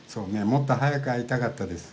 もっと早く会いたかったです。